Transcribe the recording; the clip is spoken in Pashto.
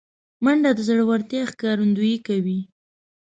منډه د زړورتیا ښکارندویي کوي